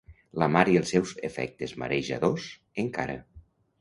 La mar i els seus efectes marejadors, encara.